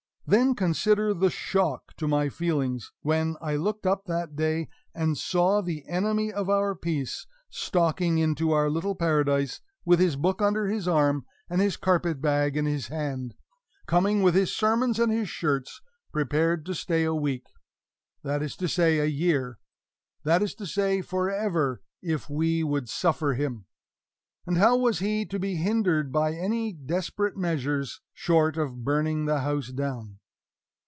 Then consider the shock to my feelings when I looked up that day and saw the enemy of our peace stalking into our little Paradise with his book under his arm and his carpet bag in his hand! coming with his sermons and his shirts, prepared to stay a week that is to say a year that is to say forever, if we would suffer him and how was he to be hindered by any desperate measures short of burning the house down?